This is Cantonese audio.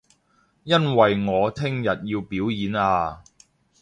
因為我聽日要表演啊